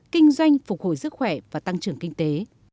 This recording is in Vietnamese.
kinh doanh phục hồi sức khỏe và tăng trưởng kinh tế